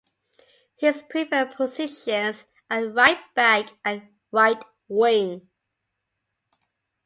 His preferred positions are right back and right wing.